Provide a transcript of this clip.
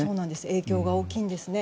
影響が大きいんですね。